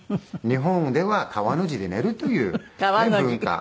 「日本では川の字で寝るという文化がある」と。